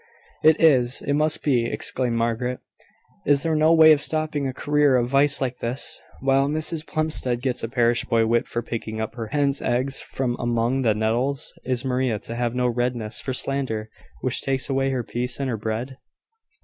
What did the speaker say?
"It is; it must be," exclaimed Margaret. "Is there no way of stopping a career of vice like this? While Mrs Plumstead gets a parish boy whipped for picking up her hens' eggs from among the nettles, is Maria to have no redress for slander which takes away her peace and her bread?"